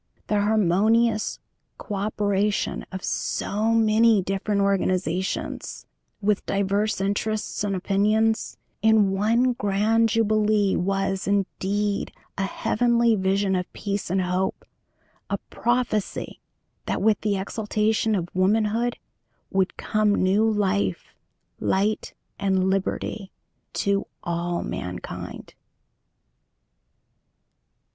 The harmonious co operation of so many different organizations, with divers interests and opinions, in one grand jubilee was, indeed, a heavenly vision of peace and hope; a prophecy that with the exaltation of Womanhood would come new Life, Light, and Liberty to all mankind.